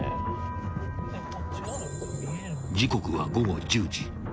［時刻は午後１０時。